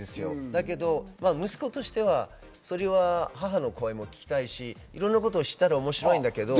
だけど息子としては母の声も聞きたいし、いろんなことを知ったら面白いけど。